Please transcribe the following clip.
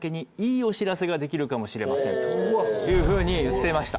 というふうに言っていました。